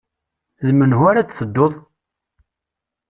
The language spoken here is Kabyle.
D menhu ara d-tedduḍ?